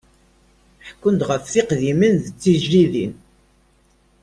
Ḥekkun ɣef teqdimin d tejdidin.